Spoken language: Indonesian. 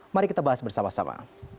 mari kita bahas bersama sama